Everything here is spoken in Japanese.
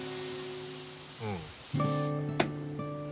うん。